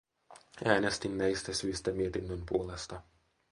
Äänestin näistä syistä mietinnön puolesta.